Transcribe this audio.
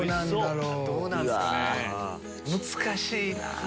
難しいな。